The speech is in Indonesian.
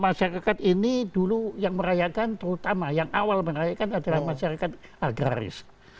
masyarakat ini dulu yang merayakan terutama yang awal merayakan adalah masyarakat agraris